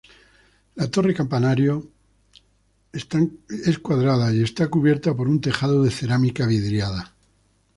La torre campanario es cuadrada y está cubierta por un tejado de cerámica vidriada.